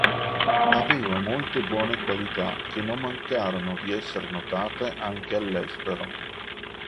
Aveva molte buone qualità che non mancarono di essere notate anche all'estero.